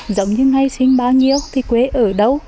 giống như ngày sinh bao nhiêu thì quê ở đâu